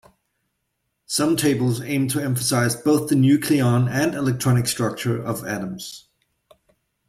Some tables aim to emphasize both the nucleon and electronic structure of atoms.